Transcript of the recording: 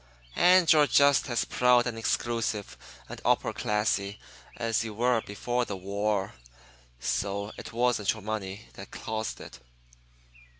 And you're just as proud and exclusive and upper classy as you were before the war. So it wasn't your money that caused it."